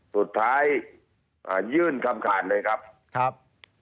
สุดท้ายยื่นคำถามเลยครับ